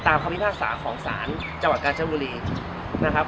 ตามความวิทยาศาสตร์ของศาลจังหวัดกาญชาบุรีนะครับ